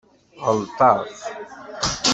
Ɣelṭeɣ?